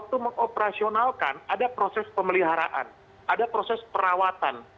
itu mengoperasionalkan ada proses pemeliharaan ada proses perawatan